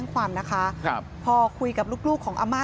ไม่ว่ามาไม่ไหวแล้วนะเดี่ยวเขาจะไปแจ้งความนะคะ